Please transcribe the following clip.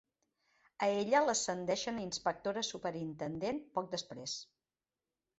A ella l'ascendeixen a inspectora superintendent poc després.